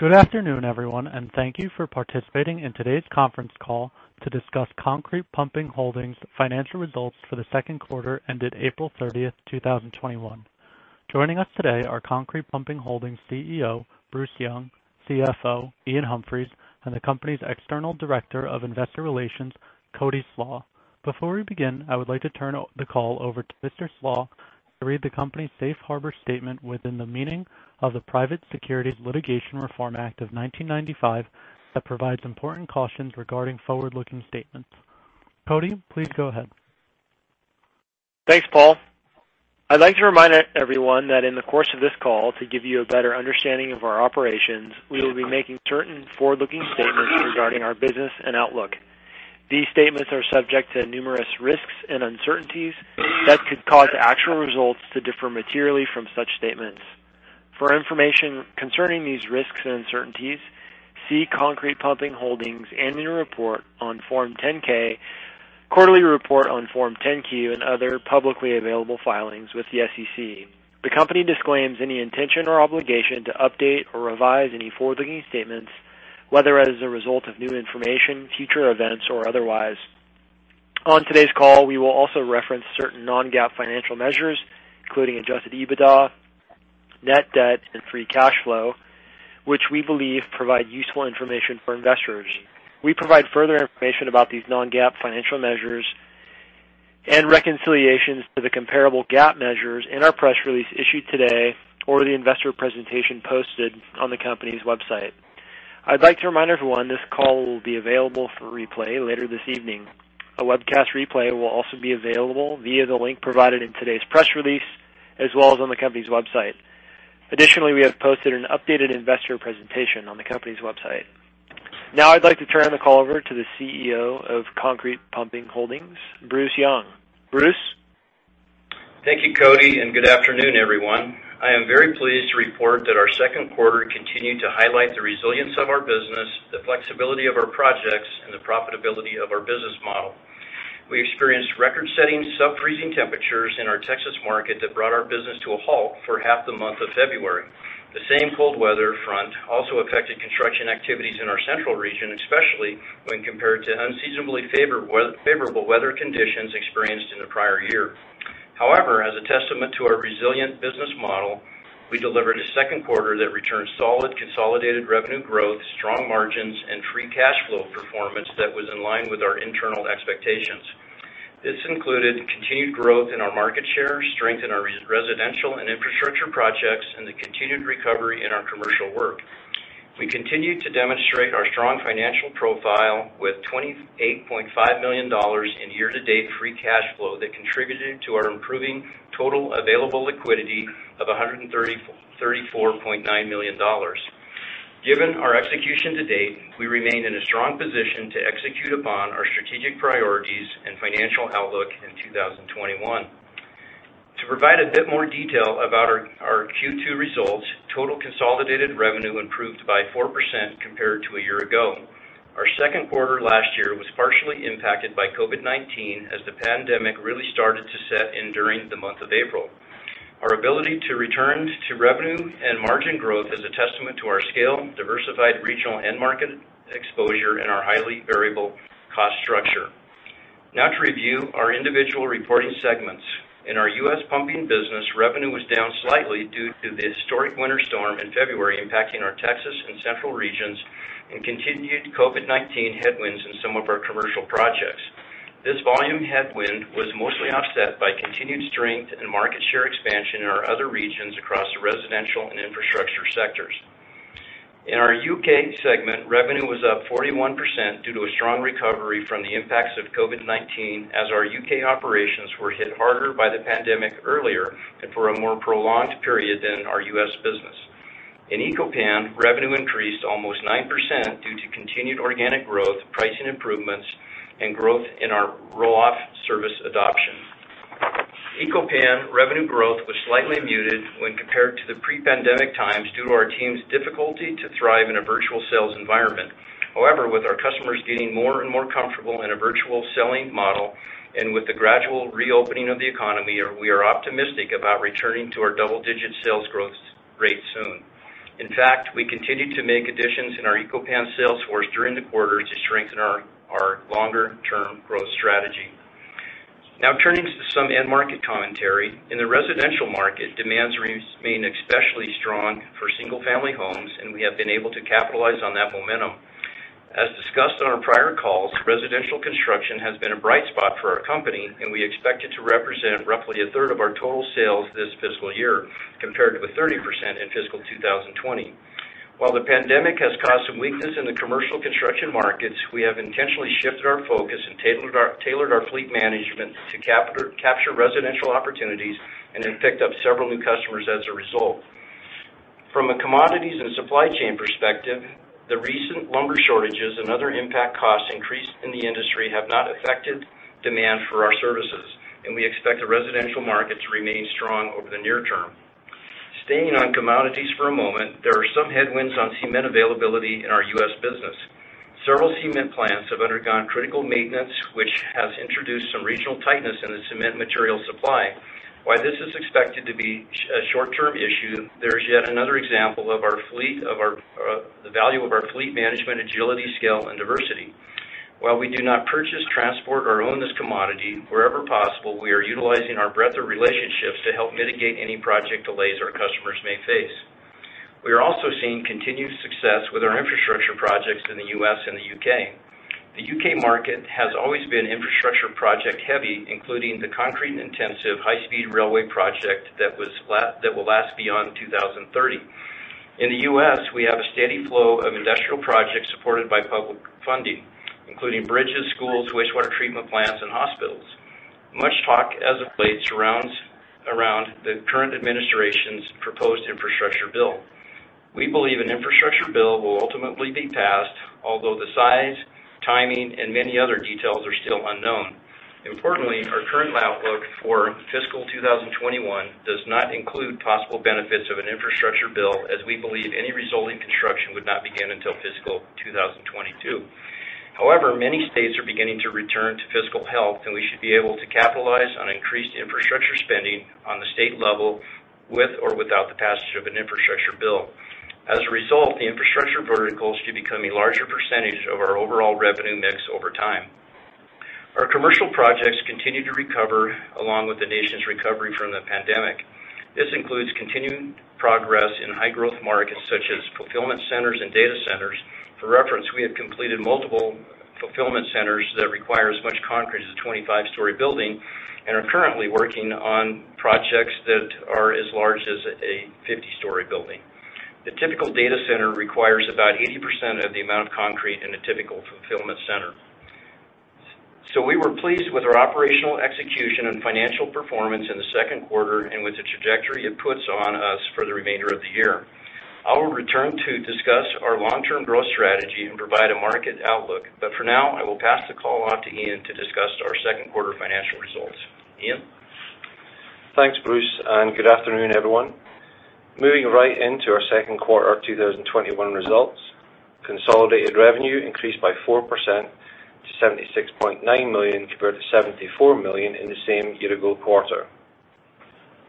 Good afternoon, everyone, and thank you for participating in today's conference call to discuss Concrete Pumping Holdings' financial results for the second quarter ended April 30th, 2021. Joining us today are Concrete Pumping Holdings CEO, Bruce Young, CFO, Iain Humphries, and the company's External Director of Investor Relations, Cody Slach. Before we begin, I would like to turn the call over to Mr. Slach to read the company's safe harbor statement within the meaning of the Private Securities Litigation Reform Act of 1995, that provides important cautions regarding forward-looking statements. Cody, please go ahead. Thanks, Paul. I'd like to remind everyone that in the course of this call, to give you a better understanding of our operations, we will be making certain forward-looking statements regarding our business and outlook. These statements are subject to numerous risks and uncertainties that could cause actual results to differ materially from such statements. For information concerning these risks and uncertainties, see Concrete Pumping Holdings' annual report on Form 10-K, quarterly report on Form 10-Q, and other publicly available filings with the SEC. The company disclaims any intention or obligation to update or revise any forward-looking statements, whether as a result of new information, future events, or otherwise. On today's call, we will also reference certain non-GAAP financial measures, including adjusted EBITDA, net debt, and free cash flow, which we believe provide useful information for investors. We provide further information about these non-GAAP financial measures and reconciliations to the comparable GAAP measures in our press release issued today or the investor presentation posted on the company's website. I'd like to remind everyone this call will be available for replay later this evening. A webcast replay will also be available via the link provided in today's press release, as well as on the company's website. Additionally, we have posted an updated investor presentation on the company's website. Now, I'd like to turn the call over to the CEO of Concrete Pumping Holdings, Bruce Young. Bruce? Thank you, Cody, and good afternoon, everyone. I am very pleased to report that our second quarter continued to highlight the resilience of our business, the flexibility of our projects, and the profitability of our business model. We experienced record-setting sub-freezing temperatures in our Texas market that brought our business to a halt for half the month of February. The same cold weather front also affected construction activities in our central region, especially when compared to unseasonably favorable weather conditions experienced in the prior year. However, as a testament to our resilient business model, we delivered a second quarter that returned solid consolidated revenue growth, strong margins, and free cash flow performance that was in line with our internal expectations. This included continued growth in our market share, strength in our residential and infrastructure projects, and the continued recovery in our commercial work. We continued to demonstrate our strong financial profile with $28.5 million in year-to-date free cash flow that contributed to our improving total available liquidity of $134.9 million. Given our execution to date, we remain in a strong position to execute upon our strategic priorities and financial outlook in 2021. To provide a bit more detail about our Q2 results, total consolidated revenue improved by 4% compared to a year ago. Our second quarter last year was partially impacted by COVID-19 as the pandemic really started to set in during the month of April. Our ability to return to revenue and margin growth is a testament to our scale, diversified regional end market exposure, and our highly variable cost structure. Now to review our individual reporting segments. In our U.S. pumping business, revenue was down slightly due to the historic winter storm in February impacting our Texas and central regions and continued COVID-19 headwinds in some of our commercial projects. This volume headwind was mostly offset by continued strength and market share expansion in our other regions across the residential and infrastructure sectors. In our U.K. segment, revenue was up 41% due to a strong recovery from the impacts of COVID-19 as our U.K. operations were hit harder by the pandemic earlier and for a more prolonged period than our U.S. business. In Eco-Pan, revenue increased almost 9% due to continued organic growth, pricing improvements, and growth in our roll-off service adoption. Eco-Pan revenue growth was slightly muted when compared to the pre-pandemic times due to our team's difficulty to thrive in a virtual sales environment. However, with our customers getting more and more comfortable in a virtual selling model and with the gradual reopening of the economy, we are optimistic about returning to our double-digit sales growth rate soon. In fact, we continue to make additions in our Eco-Pan sales force during the quarter to strengthen our longer-term growth strategy. Now turning to some end market commentary. In the residential market, demands remain especially strong for single-family homes, and we have been able to capitalize on that momentum. As discussed on our prior calls, residential construction has been a bright spot for our company, and we expect it to represent roughly a third of our total sales this fiscal year, compared to the 30% in fiscal 2020. While the pandemic has caused some weakness in the commercial construction markets, we have intentionally shifted our focus and tailored our fleet management to capture residential opportunities and have picked up several new customers as a result. From a commodities and supply chain perspective, the recent lumber shortages and other impact cost increases in the industry have not affected demand for our services, and we expect the residential market to remain strong over the near term. Staying on commodities for a moment, there are some headwinds on cement availability in our U.S. business. Several cement plants have undergone critical maintenance, which has introduced some regional tightness in the cement material supply. While this is expected to be a short-term issue, there is yet another example of the value of our fleet management agility, scale, and diversity. While we do not purchase transport or own this commodity, wherever possible, we are utilizing our breadth of relationships to help mitigate any project delays our customers may face. We are also seeing continued success with our infrastructure projects in the U.S. and the U.K. The U.K. market has always been infrastructure project heavy, including the concrete intensive high-speed railway project that will last beyond 2030. In the U.S., we have a steady flow of industrial projects supported by public funding, including bridges, schools, wastewater treatment plants, and hospitals. Much talk as of late surrounds the current administration's proposed infrastructure bill. We believe an infrastructure bill will ultimately be passed, although the size, timing, and many other details are still unknown. Importantly, our current outlook for fiscal 2021 does not include possible benefits of an infrastructure bill, as we believe any resulting construction would not begin until fiscal 2022. However, many states are beginning to return to fiscal health, and we should be able to capitalize on increased infrastructure spending on the state level, with or without the passage of an infrastructure bill. As a result, the infrastructure vertical should become a larger percentage of our overall revenue mix over time. Our commercial projects continue to recover along with the nation's recovery from the pandemic. This includes continued progress in high growth markets such as fulfillment centers and data centers. For reference, we have completed multiple fulfillment centers that require as much concrete as a 25-story building and are currently working on projects that are as large as a 50-story building. The typical data center requires about 80% of the amount of concrete in a typical fulfillment center. We were pleased with our operational execution and financial performance in the second quarter and with the trajectory it puts on us for the remainder of the year. I will return to discuss our long-term growth strategy and provide a market outlook. For now, I will pass the call on to Iain to discuss our second quarter financial results. Iain? Thanks, Bruce, and good afternoon, everyone. Moving right into our second quarter 2021 results, consolidated revenue increased by 4% to $76.9 million compared to $74 million in the same year-ago quarter.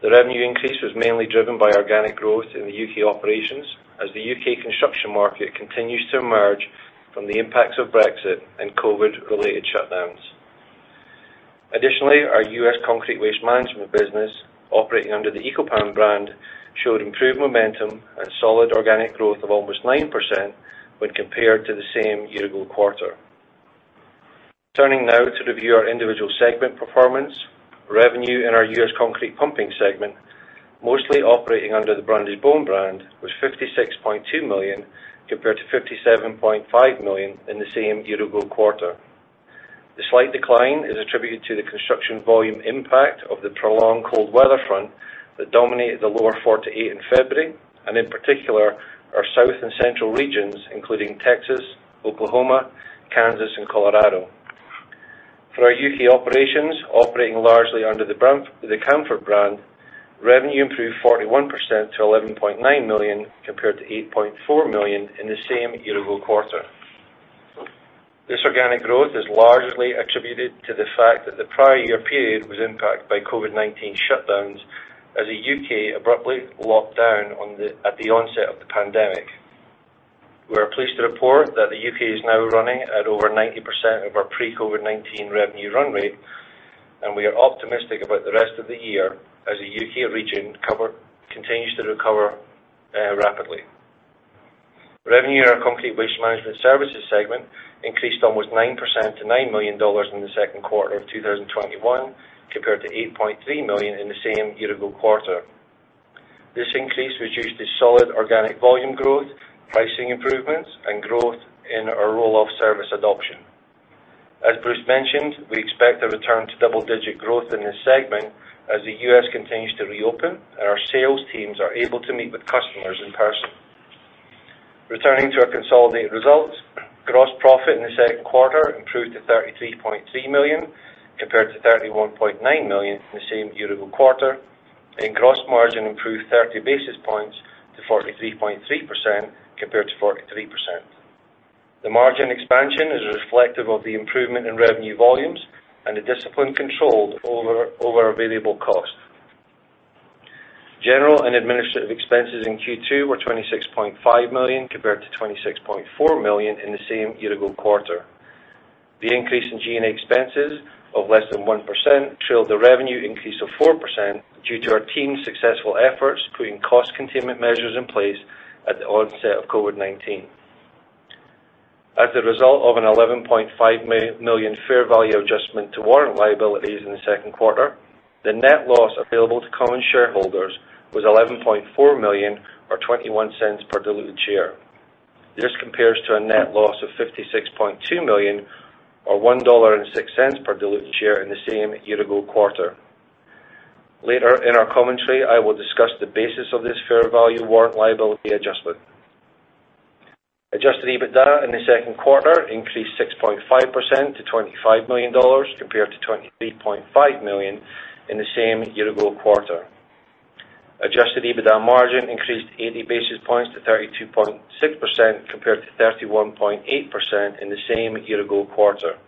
The revenue increase was mainly driven by organic growth in the U.K. operations, as the U.K. construction market continues to emerge from the impacts of Brexit and COVID-related shutdowns. Additionally, our U.S. Concrete Waste Management business, operating under the Eco-Pan brand, showed improved momentum and solid organic growth of almost 9% when compared to the same year-ago quarter. Turning now to review our individual segment performance. Revenue in our U.S. Concrete Pumping segment, mostly operating under the Brundage-Bone brand, was $56.2 million compared to $57.5 million in the same year-ago quarter. The slight decline is attributed to the construction volume impact of the prolonged cold weather front that dominated the lower 48 in February, and in particular, our south and central regions, including Texas, Oklahoma, Kansas, and Colorado. For our U.K. operations, operating largely under the Camfaud brand, revenue improved 41% to $11.9 million compared to $8.4 million in the same year-ago quarter. This organic growth is largely attributed to the fact that the prior year period was impacted by COVID-19 shutdowns as the U.K. abruptly locked down at the onset of the pandemic. We are pleased to report that the U.K. is now running at over 90% of our pre-COVID-19 revenue run rate, and we are optimistic about the rest of the year as the U.K. region continues to recover rapidly. Revenue in our Concrete Waste Management Services segment increased almost 9% to $9 million in the second quarter of 2021, compared to $8.3 million in the same year-ago quarter. This increase was due to solid organic volume growth, pricing improvements, and growth in our roll-off service adoption. As Bruce mentioned, we expect a return to double-digit growth in this segment as the U.S. continues to reopen and our sales teams are able to meet with customers in person. Returning to our consolidated results, gross profit in the second quarter improved to $33.3 million compared to $31.9 million in the same year-ago quarter, and gross margin improved 30 basis points to 43.3% compared to 43%. The margin expansion is reflective of the improvement in revenue volumes and the discipline controlled over our variable cost. General and administrative expenses in Q2 were $26.5 million compared to $26.4 million in the same year-ago quarter. The increase in G&A expenses of less than 1% trailed the revenue increase of 4% due to our team's successful efforts putting cost containment measures in place at the onset of COVID-19. As a result of an $11.5 million fair value adjustment to warrant liabilities in the second quarter, the net loss available to common shareholders was $11.4 million or $0.21 per diluted share. This compares to a net loss of $56.2 million or $1.06 per diluted share in the same year-ago quarter. Later in our commentary, I will discuss the basis of this fair value warrant liability adjustment. Adjusted EBITDA in the second quarter increased 6.5% to $25 million compared to $23.5 million in the same year-ago quarter. Adjusted EBITDA margin increased 80 basis points to 32.6%, compared to 31.8% in the same year-ago quarter.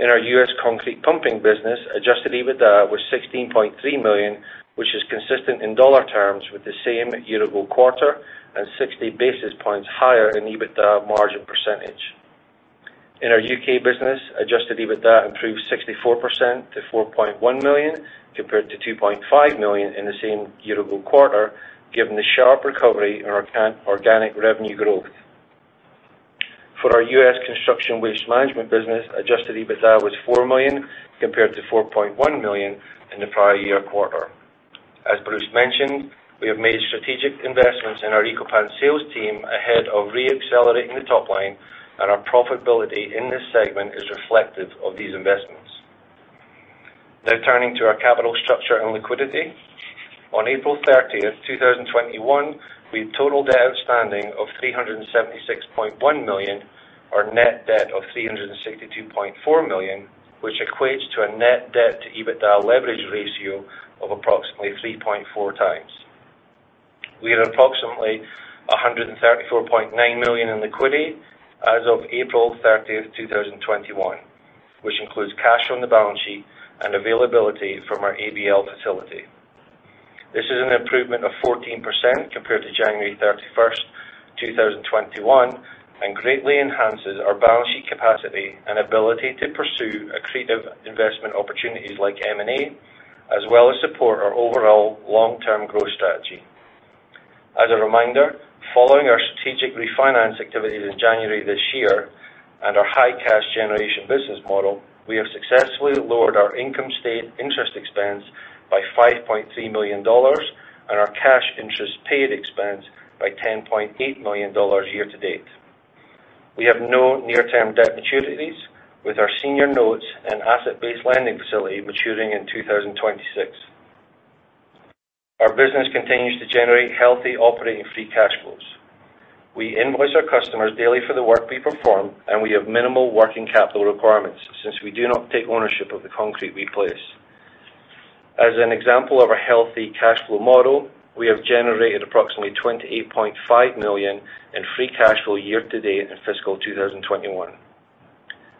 In our U.S. concrete pumping business, adjusted EBITDA was $16.3 million, which is consistent in dollar terms with the same year-ago quarter and 60 basis points higher in EBITDA margin percentage. In our U.K. business, adjusted EBITDA improved 64% to $4.1 million, compared to $2.5 million in the same year-ago quarter, given the sharp recovery in our organic revenue growth. For our U.S. construction waste management business, adjusted EBITDA was $4 million compared to $4.1 million in the prior year quarter. As Bruce mentioned, we have made strategic investments in our Eco-Pan sales team ahead of re-accelerating the top line, and our profitability in this segment is reflective of these investments. Turning to our capital structure and liquidity. On April 30th, 2021, we had total debt outstanding of $376.1 million, or net debt of $362.4 million, which equates to a net debt to EBITDA leverage ratio of approximately 3.4x. We had approximately $134.9 million in liquidity as of April 30th, 2021, which includes cash on the balance sheet and availability from our ABL facility. This is an improvement of 14% compared to January 31st, 2021, and greatly enhances our balance sheet capacity and ability to pursue accretive investment opportunities like M&A, as well as support our overall long-term growth strategy. As a reminder, following our strategic refinance activities in January this year and our high cash generation business model, we have successfully lowered our income state interest expense by $5.3 million and our cash interest paid expense by $10.8 million year to date. We have no near-term debt maturities, with our senior notes and asset-based lending facility maturing in 2026. Our business continues to generate healthy operating free cash flows. We invoice our customers daily for the work we perform, and we have minimal working capital requirements since we do not take ownership of the concrete we place. As an example of our healthy cash flow model, we have generated approximately $28.5 million in free cash flow year to date in fiscal 2021.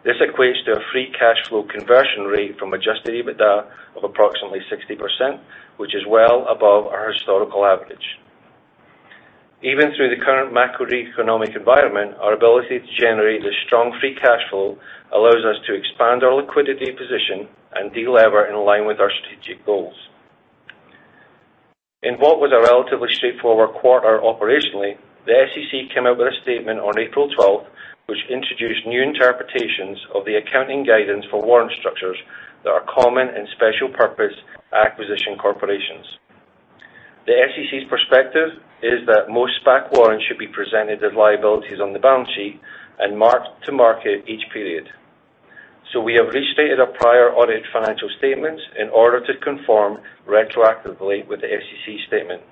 This equates to a free cash flow conversion rate from adjusted EBITDA of approximately 60%, which is well above our historical average. Even through the current macroeconomic environment, our ability to generate a strong free cash flow allows us to expand our liquidity position and de-lever in line with our strategic goals. In what was a relatively straightforward quarter operationally, the SEC came out with a statement on April 12th which introduced new interpretations of the accounting guidance for warrant structures that are common in special purpose acquisition corporations. The SEC's perspective is that most SPAC warrants should be presented as liabilities on the balance sheet and marked to market each period. We have restated our prior audit financial statements in order to conform retroactively with the SEC statement.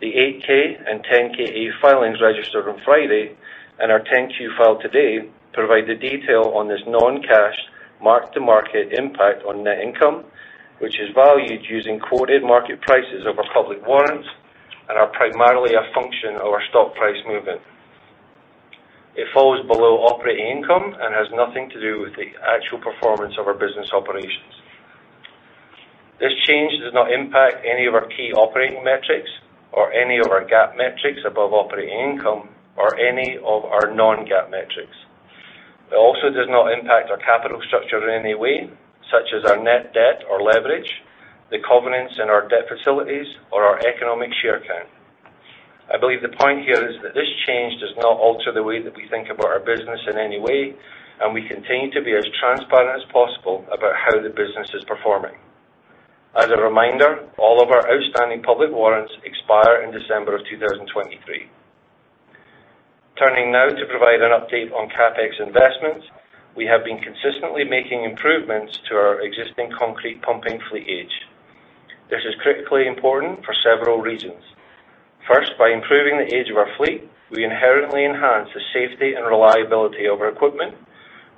The 8-K and 10-KA filings registered on Friday and our 10-Q filed today provide the detail on this non-cash, mark-to-market impact on net income, which is valued using quoted market prices of our public warrants and are primarily a function of our stock price movement. It falls below operating income and has nothing to do with the actual performance of our business operations. This change does not impact any of our key operating metrics or any of our GAAP metrics above operating income or any of our non-GAAP metrics. It also does not impact our capital structure in any way, such as our net debt or leverage, the covenants in our debt facilities or our economic share count. I believe the point here is that this change does not alter the way that we think about our business in any way, and we continue to be as transparent as possible about how the business is performing. As a reminder, all of our outstanding public warrants expire in December of 2023. Turning now to provide an update on CapEx investments. We have been consistently making improvements to our existing concrete pumping fleet age. This is critically important for several reasons. First, by improving the age of our fleet, we inherently enhance the safety and reliability of our equipment.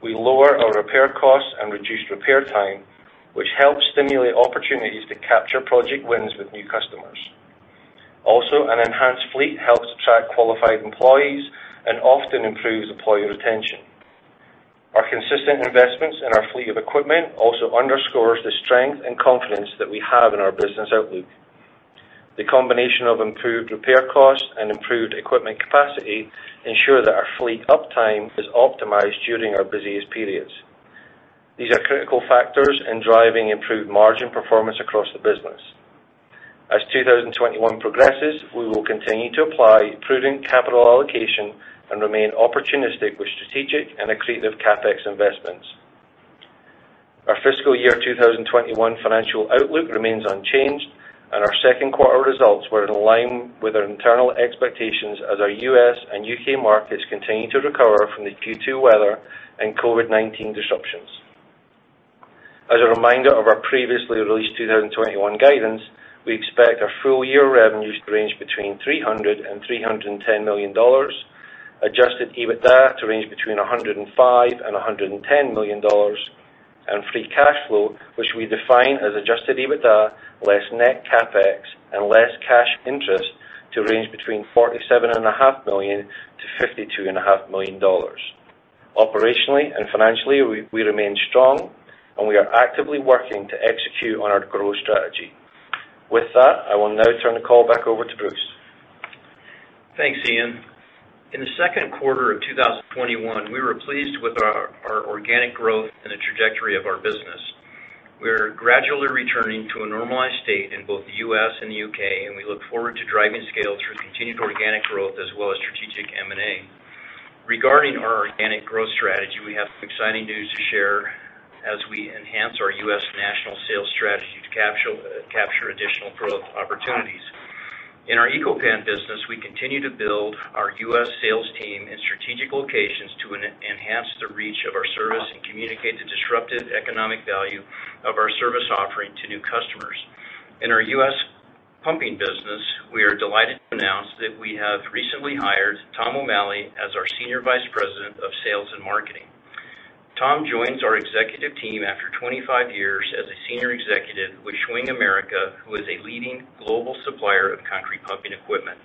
We lower our repair costs and reduce repair time, which helps stimulate opportunities to capture project wins with new customers. Also, an enhanced fleet helps attract qualified employees and often improves employee retention. Our consistent investments in our fleet of equipment also underscores the strength and confidence that we have in our business outlook. The combination of improved repair costs and improved equipment capacity ensure that our fleet uptime is optimized during our busiest periods. These are critical factors in driving improved margin performance across the business. As 2021 progresses, we will continue to apply prudent capital allocation and remain opportunistic with strategic and accretive CapEx investments. Our fiscal year 2021 financial outlook remains unchanged, and our second quarter results were in line with our internal expectations as our U.S. and U.K. markets continue to recover from the Q2 weather and COVID-19 disruptions. As a reminder of our previously released 2021 guidance, we expect our full-year revenues to range between $300 million and $310 million, adjusted EBITDA to range between $105 million and $110 million, and free cash flow, which we define as adjusted EBITDA, less net CapEx and less cash interest, to range between $47.5 million and $52.5 million. Operationally and financially, we remain strong, and we are actively working to execute on our growth strategy. With that, I will now turn the call back over to Bruce. Thanks, Iain. In the second quarter of 2021, we were pleased with our organic growth and the trajectory of our business. We are gradually returning to a normalized state in both the U.S. and the U.K., and we look forward to driving scale through continued organic growth as well as strategic M&A. Regarding our organic growth strategy, we have some exciting news to share as we enhance our U.S. national sales strategy to capture additional growth opportunities. In our Eco-Pan business, we continue to build our U.S. sales team in strategic locations to enhance the reach of our service and communicate the disruptive economic value of our service offering to new customers. In our U.S. pumping business, we are delighted to announce that we have recently hired Tom O'Malley as our Senior Vice President of Sales and Marketing. Tom joins our Executive team after 25 years as a Senior Executive with Schwing America, who is a leading global supplier of concrete pumping equipment.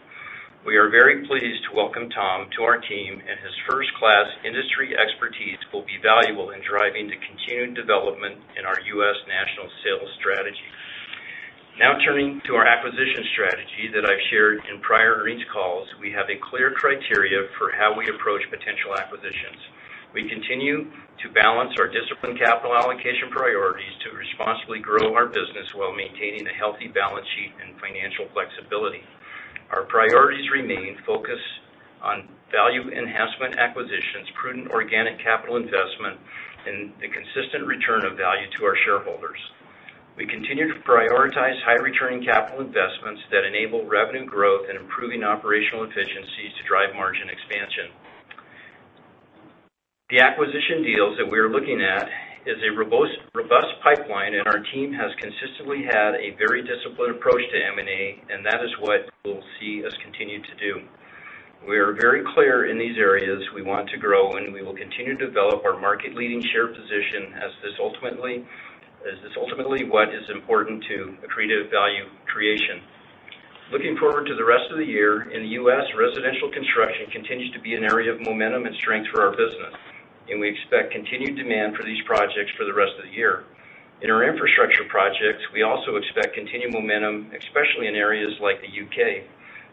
We are very pleased to welcome Tom to our team, and his first-class industry expertise will be valuable in driving the continued development in our U.S. national sales strategy. Turning to our acquisition strategy that I shared in prior earnings calls, we have a clear criteria for how we approach potential acquisitions. We continue to balance our disciplined capital allocation priorities to responsibly grow our business while maintaining a healthy balance sheet and financial flexibility. Our priorities remain focused on value enhancement acquisitions, prudent organic capital investment, and the consistent return of value to our shareholders. We continue to prioritize high-returning capital investments that enable revenue growth and improving operational efficiencies to drive margin expansion. The acquisition deals that we are looking at is a robust pipeline, and our team has consistently had a very disciplined approach to M&A, and that is what we'll see us continue to do. We are very clear in these areas we want to grow, and we will continue to develop our market-leading share position as this ultimately what is important to accretive value creation. Looking forward to the rest of the year, in the U.S., residential construction continues to be an area of momentum and strength for our business, and we expect continued demand for these projects for the rest of the year. In our infrastructure projects, we also expect continued momentum, especially in areas like the U.K.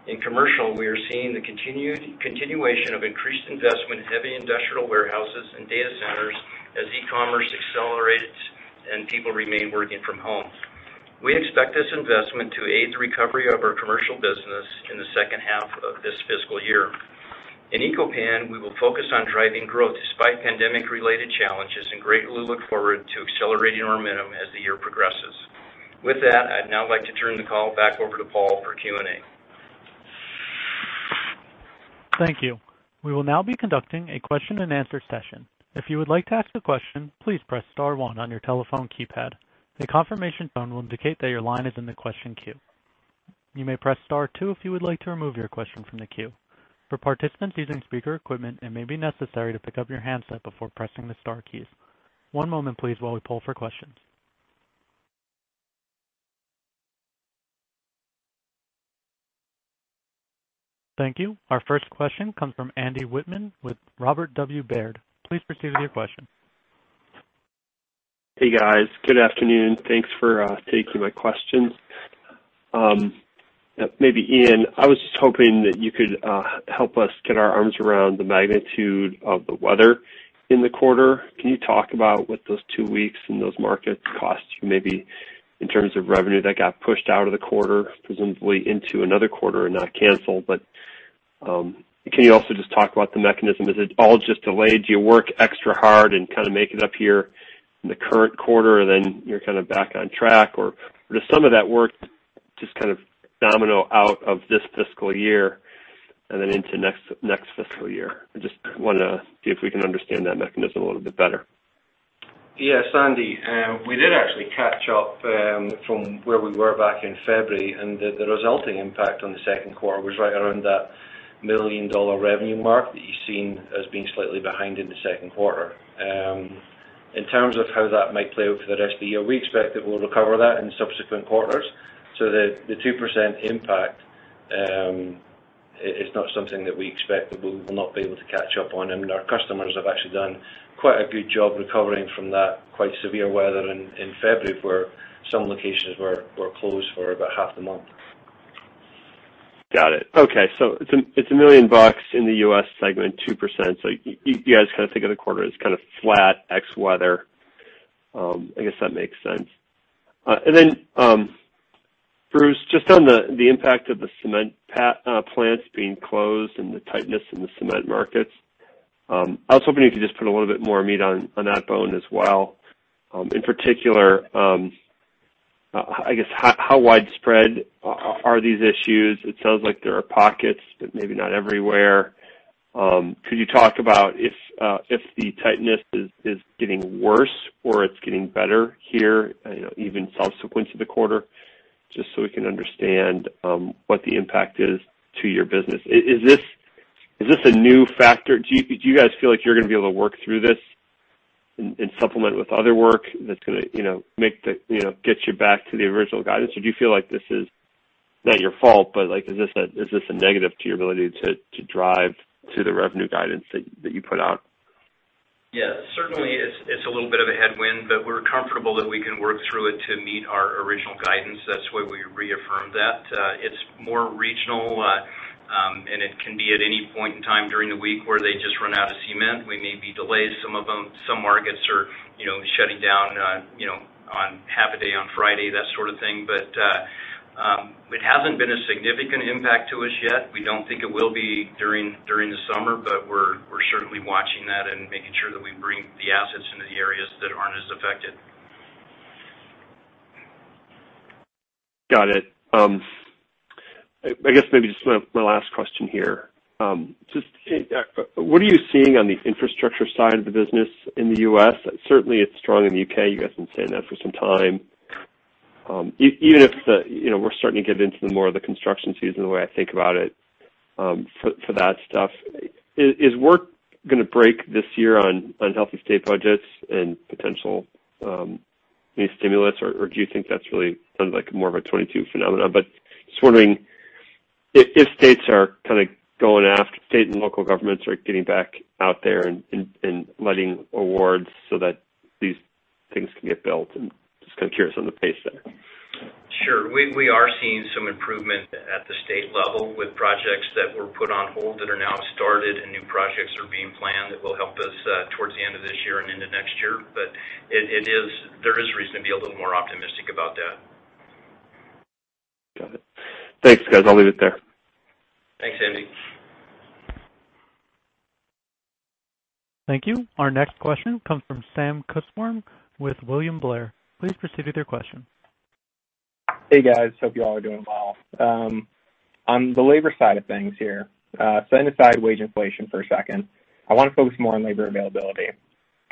In commercial, we are seeing the continuation of increased investment in heavy industrial warehouses and data centers as e-commerce accelerates and people remain working from home. We expect this investment to aid the recovery of our commercial business in the second half of this fiscal year. In Eco-Pan, we will focus on driving growth despite pandemic-related challenges and greatly look forward to accelerating our momentum as the year progresses. With that, I'd now like to turn the call back over to Paul for Q&A. Thank you. We will now be conducting a question and answer session. If you would like to ask a question, please press star one on your telephone keypad. The confirmation tone will indicate that your line is in the question queue. You may press star two if you would like to remove your question from the queue. For participants using speaker equipment, it may be necessary to pick up your handset before pressing the star keys. One moment, please, while we poll for questions. Thank you. Our first question comes from Andy Wittmann with Robert W. Baird. Please proceed with your question. Hey, guys. Good afternoon. Thanks for taking my questions. Maybe Iain, I was just hoping that you could help us get our arms around the magnitude of the weather in the quarter. Can you talk about what those two weeks in those markets cost you maybe in terms of revenue that got pushed out of the quarter, presumably into another quarter and not canceled? Can you also just talk about the mechanism? Is it all just delayed? Do you work extra hard and make it up here in the current quarter, and then you're back on track? Does some of that work just domino out of this fiscal year and then into next fiscal year? I just want to see if we can understand that mechanism a little bit better. Yes, Andy. We did actually catch up from where we were back in February, and the resulting impact on the second quarter was right around that $1 million revenue mark that you've seen as being slightly behind in the second quarter. In terms of how that might play out for the rest of the year, we expect that we'll recover that in subsequent quarters, so the 2% impact is not something that we expect that we'll not be able to catch up on, and our customers have actually done quite a good job recovering from that quite severe weather in February, where some locations were closed for about half the month. Got it. Okay, it's $1 million in the U.S. segment, 2%. You guys think of the quarter as flat ex weather. I guess that makes sense. Bruce, just on the impact of the cement plants being closed and the tightness in the cement markets, I was hoping you could just put a little bit more meat on that bone as well. In particular, I guess, how widespread are these issues? It sounds like there are pockets, but maybe not everywhere. Could you talk about if the tightness is getting worse or it's getting better here, even subsequent to the quarter? Just so we can understand what the impact is to your business. Is this a new factor? Do you guys feel like you're going to be able to work through this and supplement with other work that's going to get you back to the original guidance? Do you feel like this is not your fault, but is this a negative to your ability to drive to the revenue guidance that you put out? Yeah, certainly it's a little bit of a headwind, but we're comfortable that we can work through it to meet our original guidance. That's why we reaffirmed that. It's more regional, and it can be at any point in time during the week where they just run out of cement. We may be delayed some of them. Some markets are shutting down on half a day on Friday, that sort of thing. It hasn't been a significant impact to us yet. We don't think it will be during the summer, but we're certainly watching that and making sure that we bring the assets into the areas that aren't as affected. Got it. I guess maybe just my last question here. Just what are you seeing on the infrastructure side of the business in the U.S.? Certainly it's strong in the U.K. You guys have been saying that for some time. Even if we're starting to get into the more of the construction season, the way I think about it, for that stuff. Is work going to break this year on healthy state budgets and potential new stimulus, or do you think that's really more of a 2022 phenomenon? Just wondering if states are kind of going after state and local governments are getting back out there and letting awards so that these things can get built and just kind of curious on the pace there. Sure. We are seeing some improvement at the state level with projects that were put on hold that are now started and new projects are being planned that will help us towards the end of this year and into next year. There is reason to be a little more optimistic about that. Got it. Thanks, guys. I'll leave it there. Thanks, Andy. Thank you. Our next question comes from Sam Kusswurm with William Blair. Please proceed with your question. Hey, guys. Hope you all are doing well. On the labor side of things here, setting aside wage inflation for a second, I want to focus more on labor availability.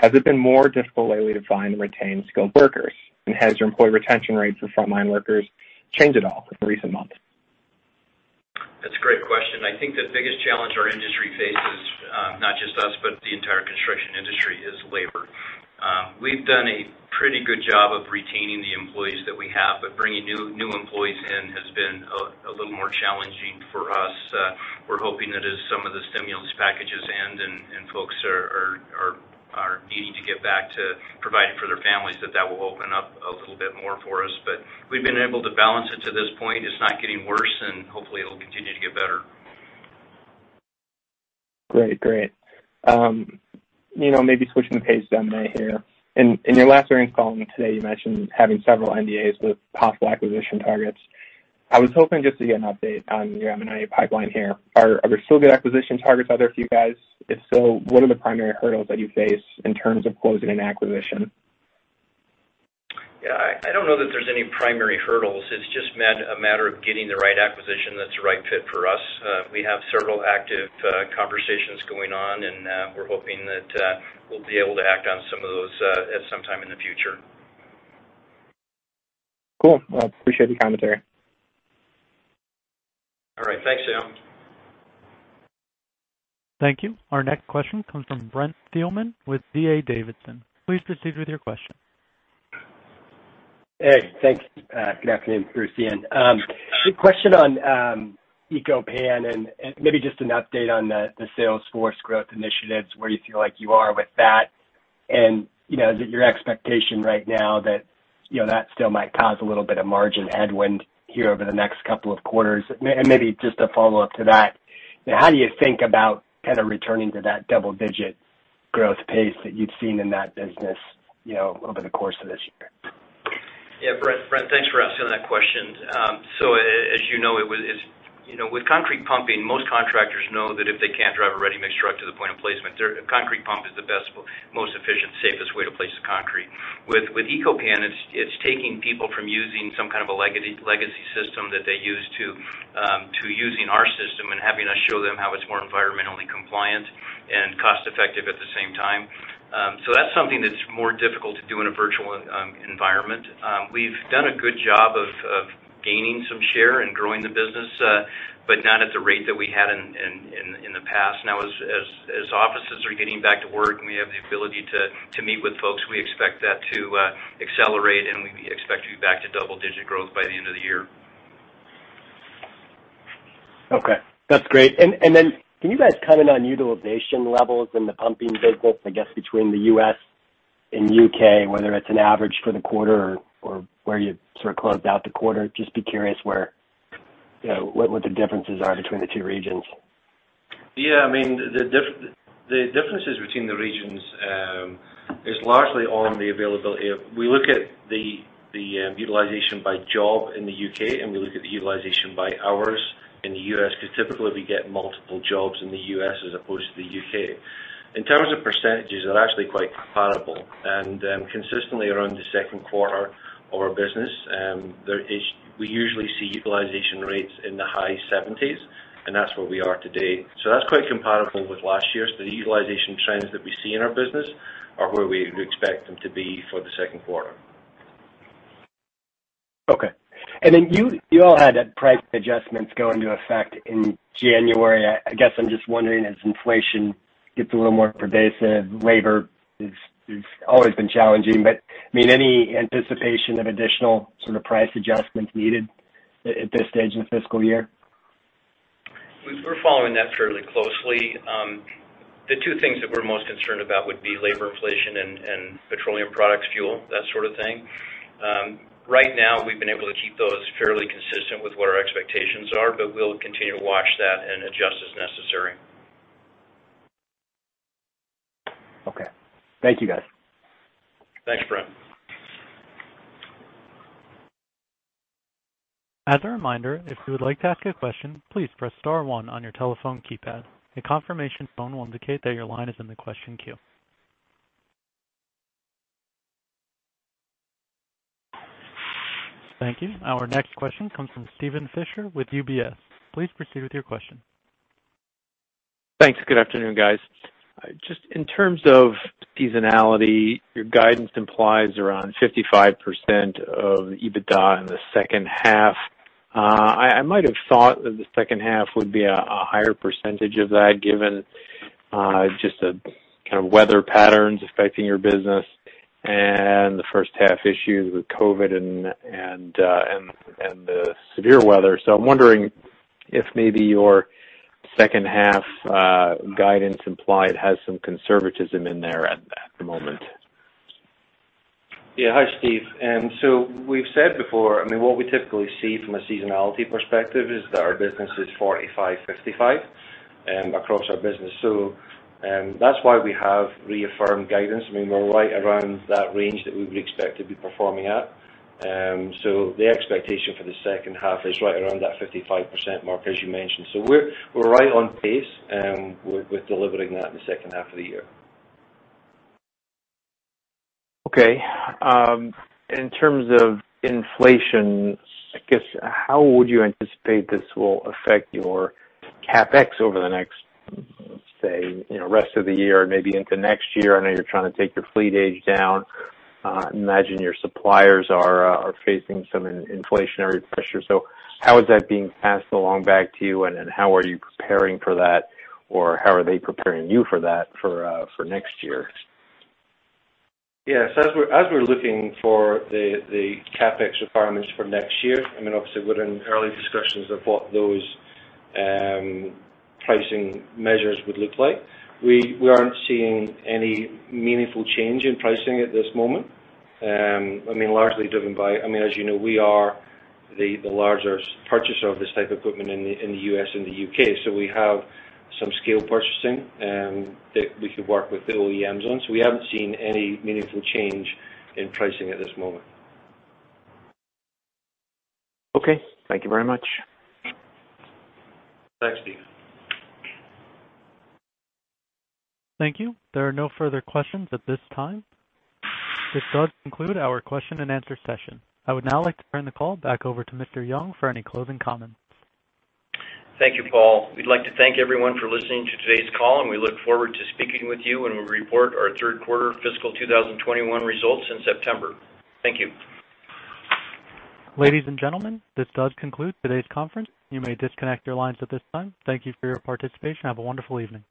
Has it been more difficult lately to find and retain skilled workers? Has your employee retention rates of frontline workers changed at all in recent months? That's a great question. I think the biggest challenge our industry faces, not just us, but the entire construction industry, is labor. We've done a pretty good job of retaining the employees that we have, but bringing new employees in has been a little more challenging for us. We're hoping that as some of the stimulus packages end and folks are needing to get back to providing for their families, that will open up a little bit more for us. We've been able to balance it to this point. It's not getting worse, and hopefully it'll continue to get better. Great. Maybe switching pace down right here. In your last earnings call and today, you mentioned having several NDAs with possible acquisition targets. I was hoping just to get an update on your M&A pipeline here. Are there still good acquisition targets out there for you guys? If so, what are the primary hurdles that you face in terms of closing an acquisition? Yeah, I don't know that there's any primary hurdles. It's just a matter of getting the right acquisition that's the right fit for us. We have several active conversations going on, and we're hoping that we'll be able to act on some of those at some time in the future. Cool. Well, appreciate the commentary. All right. Thanks, Sam. Thank you. Our next question comes from Brent Thielman with D.A. Davidson. Please proceed with your question. Hey, thanks. Good afternoon. Bruce again. Just a question on Eco-Pan and maybe just an update on the sales force growth initiatives, where you feel like you are with that. Is it your expectation right now that still might cause a little bit of margin headwind here over the next couple of quarters? Maybe just a follow-up to that, how do you think about kind of returning to that double-digit growth pace that you've seen in that business over the course of this year? Yeah, Brent, thanks for asking that question. As you know, with concrete pumping, most contractors know that if they can drive a ready-mix truck to the point of placement, concrete pump is the best, most efficient, safest way to place the concrete. With Eco-Pan, it's taking people from using some kind of a legacy system that they use to using our system and having us show them how it's more environmentally compliant and cost-effective at the same time. That's something that's more difficult to do in a virtual environment. We've done a good job of gaining some share and growing the business, but not at the rate that we had in the past. As offices are getting back to work and we have the ability to meet with folks, we expect that to accelerate, and we expect to be back to double-digit growth by the end of the year. Okay, that's great. Can you guys comment on utilization levels in the pumping business, I guess, between the U.S. and U.K., whether it's an average for the quarter or where you sort of closed out the quarter? Just be curious what the differences are between the two regions. Yeah, I mean, the differences between the regions is largely on the availability. We look at the utilization by job in the U.K., and we look at the utilization by hours in the U.S. because typically we get multiple jobs in the U.S. as opposed to the U.K. In terms of percentages, they're actually quite comparable. Consistently around the second quarter of our business, we usually see utilization rates in the high 70s. That's where we are today. That's quite comparable with last year's. The utilization trends that we see in our business are where we would expect them to be for the second quarter. Okay. You all had price adjustments go into effect in January. I guess I'm just wondering, as inflation gets a little more pervasive, labor has always been challenging, but any anticipation of additional price adjustments needed at this stage in the fiscal year? We're following that fairly closely. The two things that we're most concerned about would be labor inflation and petroleum products fuel, that sort of thing. Right now, we've been able to keep those fairly consistent with what our expectations are, but we'll continue to watch that and adjust as necessary. Okay. Thank you, guys. Thanks, Brent. As a reminder, if you would like to ask a question, please press star one on your telephone keypad. A confirmation tone will indicate that your line is in the question queue. Thank you. Our next question comes from Steven Fisher with UBS. Please proceed with your question. Thanks. Good afternoon, guys. Just in terms of seasonality, your guidance implies around 55% of EBITDA in the second half. I might have thought that the second half would be a higher percentage of that, given just the kind of weather patterns affecting your business and the first half issues with COVID and the severe weather. I'm wondering if maybe your second half guidance implied has some conservatism in there at the moment. Yeah. Hi, Steve. We've said before, what we typically see from a seasonality perspective is that our business is 45/55 across our business. That's why we have reaffirmed guidance. We're right around that range that we would expect to be performing at. The expectation for the second half is right around that 55% mark, as you mentioned. We're right on pace with delivering that in the second half of the year. Okay. In terms of inflation, I guess, how would you anticipate this will affect your CapEx over the next, let's say, rest of the year and maybe into next year? I know you're trying to take your fleet age down. I imagine your suppliers are facing some inflationary pressure. How is that being passed along back to you, and then how are you preparing for that? How are they preparing you for that for next year? Yeah. As we're looking for the CapEx requirements for next year, obviously we're in early discussions of what those pricing measures would look like. We aren't seeing any meaningful change in pricing at this moment. Largely driven by, as you know, we are the largest purchaser of this type of equipment in the U.S. and the U.K. We have some scale purchasing that we could work with the OEMs on. We haven't seen any meaningful change in pricing at this moment. Okay. Thank you very much. Thanks, Steve. Thank you. There are no further questions at this time. This does conclude our question and answer session. I would now like to turn the call back over to Mr. Young for any closing comments. Thank you, Paul. We'd like to thank everyone for listening to today's call, and we look forward to speaking with you when we report our third quarter fiscal 2021 results in September. Thank you. Ladies and gentlemen, this does conclude today's conference. You may disconnect your lines at this time. Thank you for your participation. Have a wonderful evening.